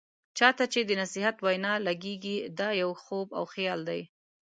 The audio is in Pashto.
چا ته چې د نصيحت وینا لګیږي، دا يو خوب او خيال دی.